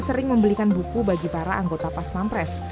sering membelikan buku bagi para anggota pas pampres